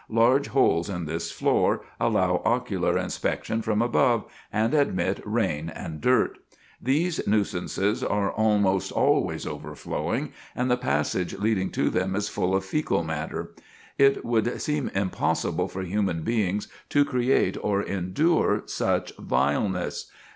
Large holes in this floor allow ocular inspection from above, and admit rain and dirt. These nuisances are almost always overflowing, and the passage leading to them is full of fæcal matter. It would seem impossible for human beings to create or endure such vileness.